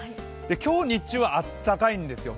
今日日中は暖かいんですよ